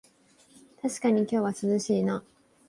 たしかに今日は涼しいな